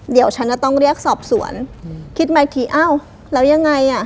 เดี๋ยวฉันจะต้องเรียกสอบสวนคิดมาอีกทีอ้าวแล้วยังไงอ่ะ